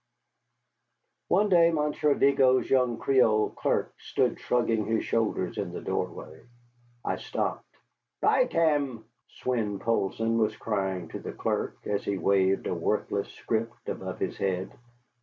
One day Monsieur Vigo's young Creole clerk stood shrugging his shoulders in the doorway. I stopped. "By tam!" Swein Poulsson was crying to the clerk, as he waved a worthless scrip above his head.